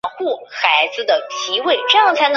后来演变为斜红型式。